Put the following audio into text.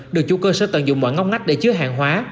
được chủ cơ sở tận dụng mọi ngóc ngách để chứa hàng hóa